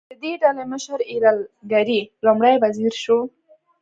د دې ډلې مشر ایرل ګرې لومړی وزیر شو.